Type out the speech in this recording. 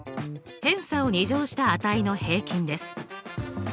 偏差を２乗した値の平均です。